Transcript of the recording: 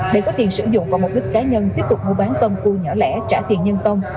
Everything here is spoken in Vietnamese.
để có tiền sử dụng vào mục đích cá nhân tiếp tục mua bán tôm cu nhỏ lẻ trả tiền nhân tông